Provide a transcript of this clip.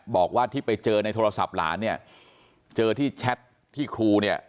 บอกว่าที่ไปเจอในโทรศัพท์หลานเนี่ยเจอที่แชทที่ครูเนี่ย